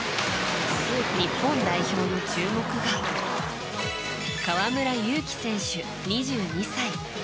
日本代表の注目が河村勇輝選手、２２歳。